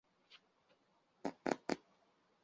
蒋溥为大学士蒋廷锡之子。